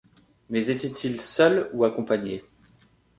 Mais était-il seul ou accompagné